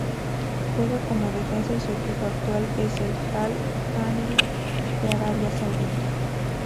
Juega como defensa y su equipo actual es el Al-Ahli de Arabia Saudita.